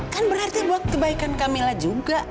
kan berarti buat kebaikan camillah juga